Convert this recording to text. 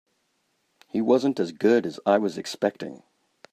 He wasn't as good as I was expecting.